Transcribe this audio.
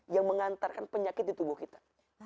yang mengantarkan penyakit di tubuh kita